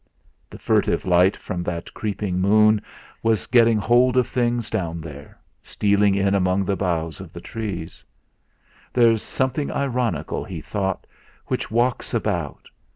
The furtive light from that creeping moon was getting hold of things down there, stealing in among the boughs of the trees. 'There's something ironical,' he thought, 'which walks about.